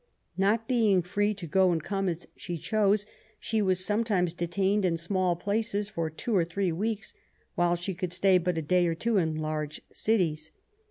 Not being free to go and come as she chose, she was sometimes detained in small places for two or three weeks, while she could stay but a day or two in large cities.